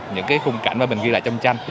những khung cảnh mà mình ghi lại trong tranh